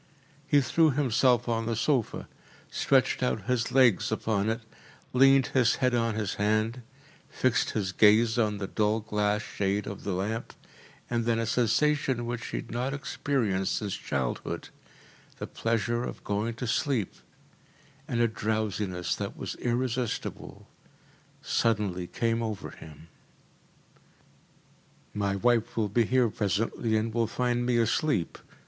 He threw himself on the sofa, stretched out his legs upon it, leaned his head on his hand, fixed his gaze on the dull glass shade of the lamp, and then a sensation which he had not experienced since his childhood, the pleasure of going to sleep, and a drowsiness that was irresistible suddenly came over him. “My wife will be here presently and will find me asleep.